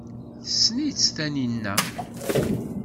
Tessen-itt Taninna?